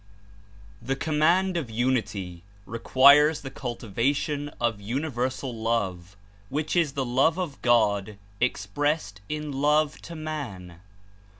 The command of Unity requires the cultivation ot Universal Love which is the love of God expressed in love to man.